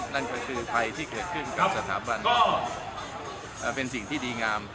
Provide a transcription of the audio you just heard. นั่นก็คือภัยที่เกิดขึ้นกับสถาบันเป็นสิ่งที่ดีงาม